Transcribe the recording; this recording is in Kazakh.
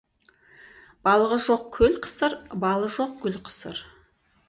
Балығы жоқ көл қысыр, балы жоқ гүл қысыр.